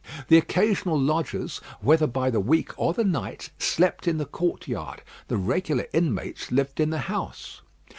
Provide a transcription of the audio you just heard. The occasional lodgers, whether by the week or the night, slept in the courtyard; the regular inmates lived in the house.